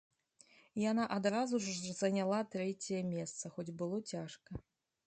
Яна адразу ж заняла трэцяе месца, хоць было цяжка.